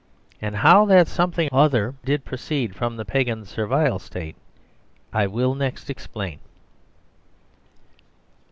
And how that something other did proceed from the Pagan Servile State I will next explain.